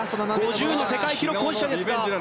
５０の世界記録保持者です。